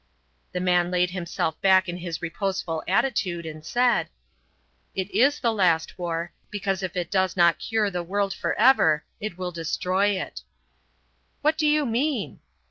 The man laid himself back in his reposeful attitude, and said: "It is the last war, because if it does not cure the world for ever, it will destroy it." "What do you mean?"